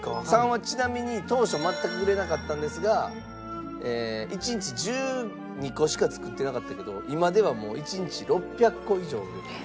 ３はちなみに当初全く売れなかったんですが一日１２個しか作ってなかったけど今ではもう一日６００個以上売ると。